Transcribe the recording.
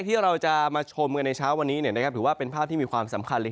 ที่จะตกในภาคใต้สัก๕